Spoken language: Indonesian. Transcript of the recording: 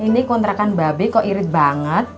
ini kontrakan babi kok irit banget